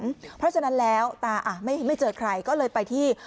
เพราะฉะนั้นแล้วตาไม่เจอใครก็เลยไปที่